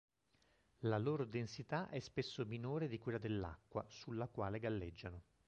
La loro densità è spesso minore di quella dell'acqua, sulla quale galleggiano.